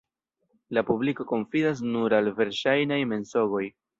La publiko konfidas nur al verŝajnaj mensogoj.